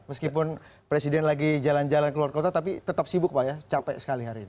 meskipun presiden lagi jalan jalan keluar kota tapi tetap sibuk pak ya capek sekali hari ini